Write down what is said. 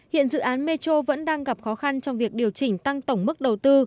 hiện dự án metro vẫn đang gặp khó khăn trong việc điều chỉnh tăng tổng mức đầu tư